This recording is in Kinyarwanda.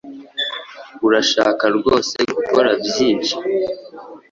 Urashaka rwose gukora byinshi?